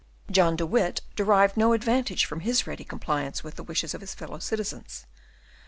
John de Witt derived no advantage from his ready compliance with the wishes of his fellow citizens.